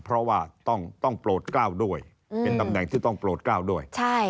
เพราะว่าต้องโปรดกล้าวด้วยเป็นตำแหน่งที่ต้องโปรดกล้าวด้วย